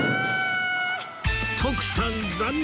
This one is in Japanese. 徳さん残念！